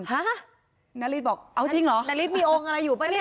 ฮะนาริสบอกเอาจริงเหรอนาริสมีองค์อะไรอยู่ป่ะเนี่ย